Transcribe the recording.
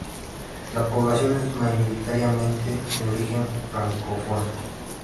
La población es mayoritariamente de origen francófona.